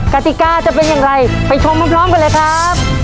กติกาจะเป็นอย่างไรไปชมพร้อมกันเลยครับ